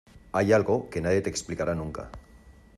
Hay algo que nadie te explicará nunca.